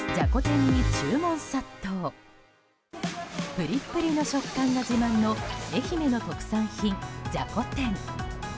ぷりっぷりの食感が自慢の愛媛の特産品じゃこ天。